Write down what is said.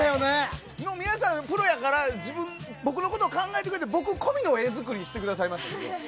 皆さん、プロやから僕のことを考えてくれて僕のために画作りしてくれましたね。